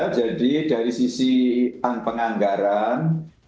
jadi dari sisi penganggaran